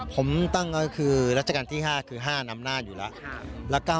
ผมตั้งก็คือรัชกาลที่๕คือ๕นำนาจอยู่แล้ว